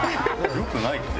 良くないって。